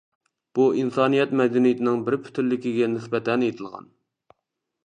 بۇ ئىنسانىيەت مەدەنىيىتىنىڭ بىر پۈتۈنلۈكىگە نىسبەتەن ئېيتىلغان.